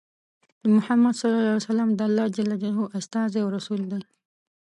محمد ص د الله ج استازی او رسول دی.